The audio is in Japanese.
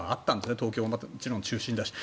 東京はもちろん中心だし。